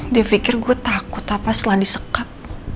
difikir gue takut apa setelah disekap